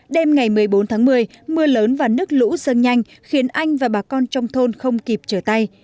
đêm ngày một mươi bốn tháng một mươi mưa lớn và nước lũ dâng nhanh khiến anh và bà con trong thôn không kịp trở tay